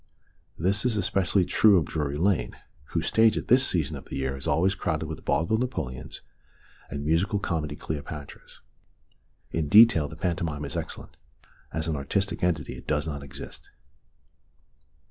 This is especially true of Drury Lane, whose stage at this season of the year is always crowded with vaudeville Napoleons and musical comedy Cleopatras. In detail the pantomime is excellent ; as an artistic entity it does not exist.